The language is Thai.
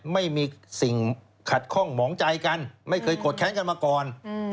ไม่มีสิ่งขัดข้องหมองใจกันไม่เคยโกรธแค้นกันมาก่อน